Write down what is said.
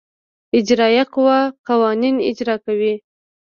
اجرائیه قوه قوانین اجرا کوي.